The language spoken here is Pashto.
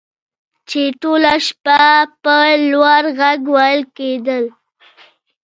چې ټوله شپه په لوړ غږ ویل کیدل